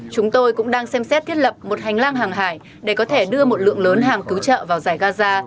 chúng tôi cũng đang xem xét thiết lập một hành lang hàng hải để có thể đưa một lượng lớn hàng cứu trợ vào giải gaza